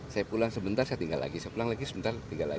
saya pulang sebentar saya tinggal lagi saya pulang lagi sebentar tinggal lagi